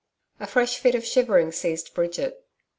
A fresh fit of shivering seized Bridget.